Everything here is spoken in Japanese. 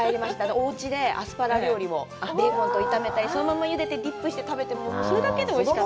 おうちでアスパラ料理を、ベーコンと炒めたり、そのまま茹でてディップしても、それだけでおいしかった。